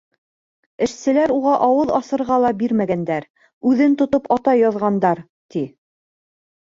Эшселәр уға ауыҙ асырға ла бирмәгәндәр, үҙен тотоп ата яҙғандар, ти.